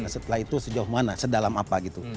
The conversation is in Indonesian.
setelah itu sejauh mana sedalam apa gitu